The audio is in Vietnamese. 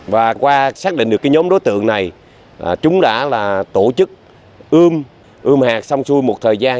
và qua xác định được nhóm đối tượng này chúng đã tổ chức ươm hạt xong xui một thời gian